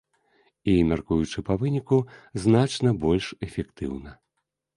І, мяркуючы па выніку, значна больш эфектыўна.